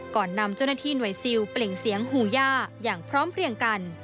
ก่อนนำเจ้าหน้าที่หน่วยซิลเปล่งเสียงฮูย่าอย่างพร้อมเพลียงกัน